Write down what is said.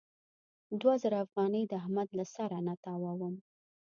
دوه زره افغانۍ د احمد له سره نه تاووم.